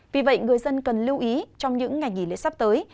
vì vậy người dân cần lưu ý trong những ngày nghỉ lễ sắp tới